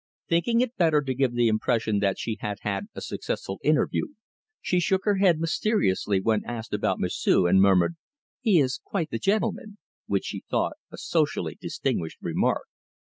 Thinking it better to give the impression that she had had a successful interview, she shook her head mysteriously when asked about M'sieu', and murmured, "He is quite the gentleman!" which she thought a socially distinguished remark.